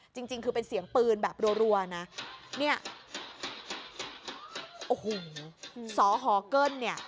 จริงคือเป็นเสียงปืนแบบรัวนะเนี่ยสฮเกิ้ลเนี่ย